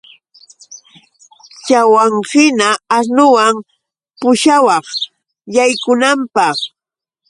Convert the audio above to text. Chaywanhina asnuwan pushawaq yaykunanpaq